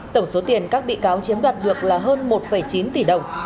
tổng số tiền các bị cáo chiếm đoạt được là hơn một chín tỷ đồng